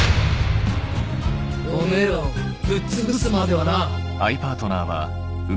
おめぇらをぶっつぶすまではな！